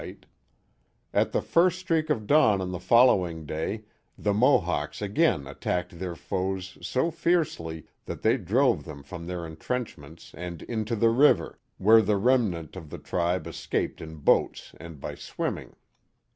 i8r I 182 The Mohawk Valley At the first streak of dawn on the following day the Mo hawks again attacked their foes so fiercely that they drove them from their entrenchments and into the river, where the remnant of the tribe escaped in boats and by swimming.